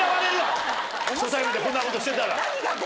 初対面でこんなことしてたら。